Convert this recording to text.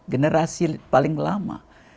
generasi paling lama